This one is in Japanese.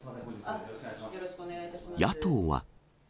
野党は。